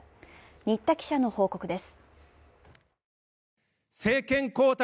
新田記者の報告です。